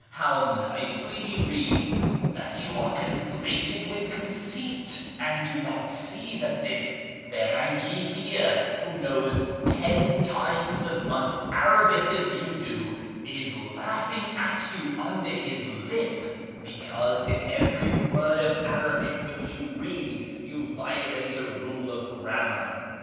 (' How nicely le reads !) that you are inflated with conceit, and do not see hat this Firangi here, who knows ten times as much Arabic s you do, is laughing at you under his lip, because in every 52S A YEAR AMONGST THE PERSIANS word of Arabic which you read you violate a rule of graniiuar.